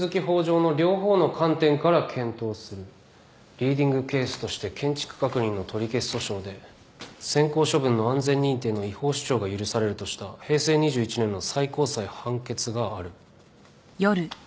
リーディングケースとして建築確認の取消訴訟で先行処分の安全認定の違法主張が許されるとした平成２１年の最高裁判決がある。